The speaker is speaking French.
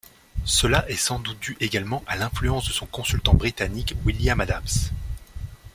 Cela est sans doute dû également à l'influence de son consultant britannique William Adams.